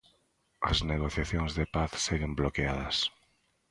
As negociacións de paz seguen bloqueadas.